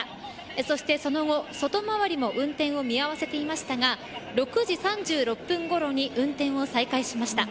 そしてその後、外回りも運転を見合わせていましたが６時３６分ごろに運転を再開しました。